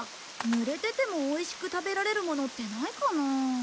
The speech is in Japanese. ぬれててもおいしく食べられるものってないかな？